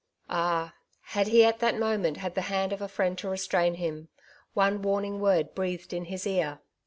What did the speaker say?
Ah ! had he at that moment had the hand of a friend to restrain him, one warning word breathed in his ear